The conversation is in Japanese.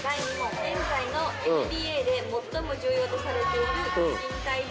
現在のＮＢＡで最も重要とされている身体的